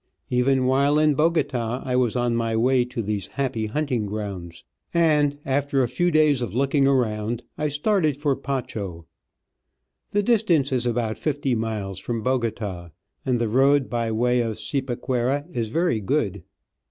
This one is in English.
Even while in Bogota I was on my way to these happy hunting grounds, and after a few days of looking around I started for Pacho. The distance is about fifty miles from Bogota, and the road by way of Cipaquira is very good.